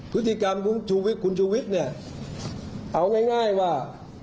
พฤติกรรมของคุณชีวิตเอาง่ายว่า